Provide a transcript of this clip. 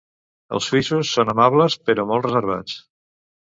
Els suïssos són amables, però molt reservats.